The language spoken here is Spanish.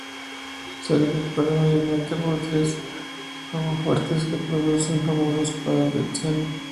Se le recuerda mayormente por tres aguafuertes que reproducen famosos cuadros de Tiziano.